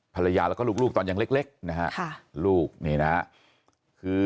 ภรรยาและลูกตอนยังเล็ก